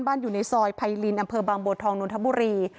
อยู่ในซอยไพรินอำเภอบางบัวทองนนทบุรี